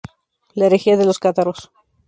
La herejía de los cátaros.